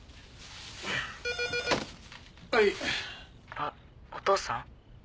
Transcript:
☎あっお父さん？